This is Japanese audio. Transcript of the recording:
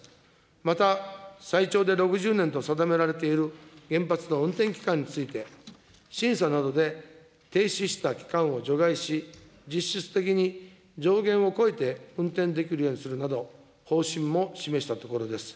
また、最長で６０年と定められている原発の運転期間について、審査などで停止した期間を除外し、実質的に上限を超えて運転できるようにするなど、方針も示したところです。